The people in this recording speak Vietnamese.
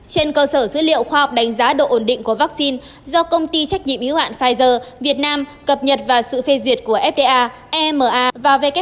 trên cơ sở dữ liệu khoa học đánh giá độ ổn định của vaccine do công ty trách nhiệm yếu hạn pfizer việt nam cập nhật và sự phê duyệt của fda ema và wh